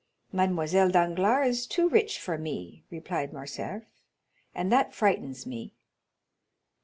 "Mademoiselle Danglars is too rich for me," replied Morcerf, "and that frightens me."